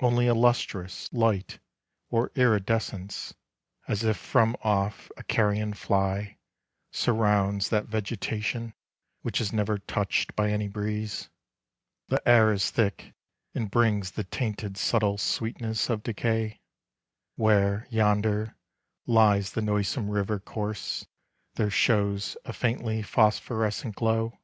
Only a lustrous light or iridescence As if from off a carrion fly,— surrounds That vegetation which is never touched By any breeze. The air is thick and brings The tainted subtle sweetness of decay. — Where, yonder, lies the noisome river course, There shows a faintly phosphorescent glow.